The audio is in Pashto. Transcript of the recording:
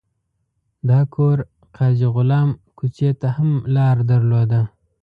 دا کور قاضي غلام کوڅې ته هم لار درلوده.